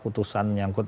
putusan yang kut